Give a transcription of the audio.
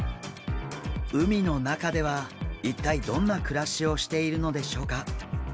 海の中では一体どんな暮らしをしているのでしょうか。